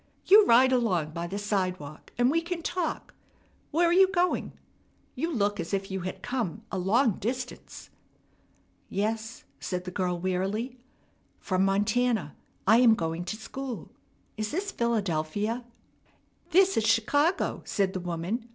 "You ride along by the sidewalk, and we can talk. Where are you going? You look as if you had come a long distance." "Yes," said the girl wearily, "from Montana. I am going to school. Is this Philadelphia?" "This is Chicago," said the woman.